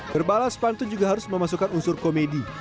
berbalas pantun juga harus memasukkan unsur komedi